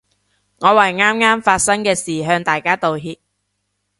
我為啱啱發生嘅事向大家道歉